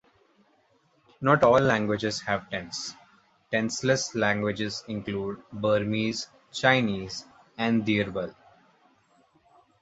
Not all languages have tense: tenseless languages include Burmese, Chinese and Dyirbal.